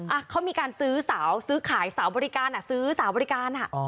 อ่ะเขามีการซื้อสาวซื้อขายสาวบริการอ่ะซื้อสาวบริการอ่ะ